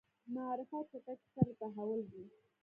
معرفت چټکۍ سره تحول دی.